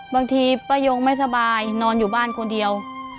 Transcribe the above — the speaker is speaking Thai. บางทีป้ายงไม่สบายนอนอยู่บ้านคนเดียว